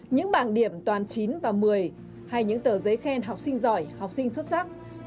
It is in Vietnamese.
những bảng điểm toàn chín và một mươi hay những tờ giấy khen học sinh giỏi học sinh xuất sắc